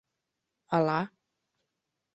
Ала?